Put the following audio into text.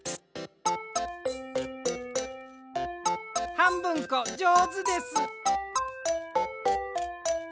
はんぶんこじょうずです。